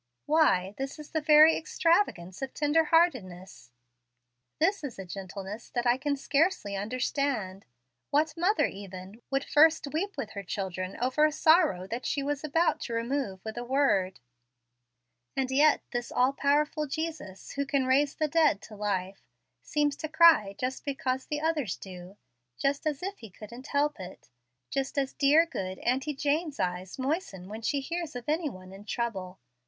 Why, this is the very extravagance of tender heartedness. This is a gentleness that I can scarcely understand. What mother, even, would first weep with her children over a sorrow that she was about to remove with a word! And yet this all powerful Jesus, who can raise the dead to life, seems to cry just because the others do, just as if He couldn't help it, just as dear, good Auntie Jane's eyes moisten when she hears of any one in trouble.